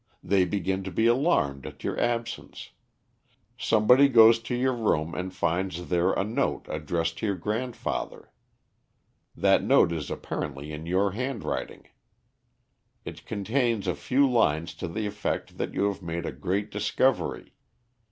They begin to be alarmed at your absence. Somebody goes to your room and finds there a note addressed to your grandfather. That note is apparently in your handwriting. It contains a few lines to the effect that you have made a great discovery.